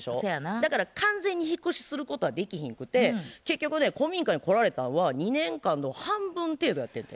だから完全に引っ越しすることはできひんくて結局ね古民家に来られたんは２年間の半分程度やってんて。